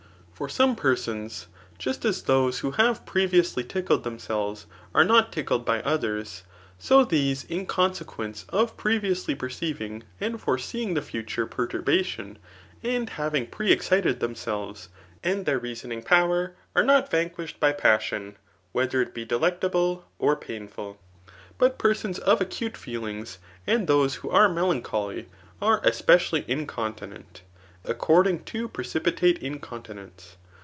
For some persons, just as those who have previously tickled themselves, are not tickled by others, so these, in consequence of previously per ceiving, and foreseemg [the future perturbation,] and havmg pre excited themselves, and their reasoning power, are not vanquished by passion, whether it be de lectable, or painful. ' But persons of acute feelings, and those who are melancholy, are especially incondnent, ac* cording to precipitate incontinence.